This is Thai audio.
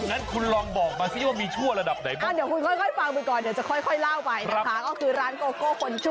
งั้นคุณลองบอกมาสิว่ามีความชั่วระดับไหนเหมือน